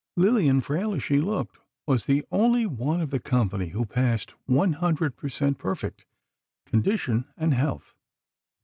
Lillian, frail as she looked, was the only one of the company who passed one hundred percent perfect—condition and health.